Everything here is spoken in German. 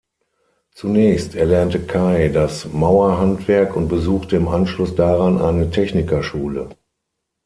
Zunächst erlernte Kay das Maurerhandwerk und besuchte im Anschluss daran eine Technikerschule.